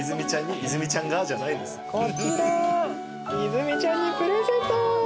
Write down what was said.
こちら泉ちゃんにプレゼント！